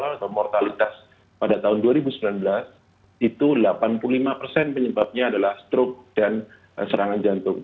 kalau mortalitas pada tahun dua ribu sembilan belas itu delapan puluh lima persen penyebabnya adalah stroke dan serangan jantung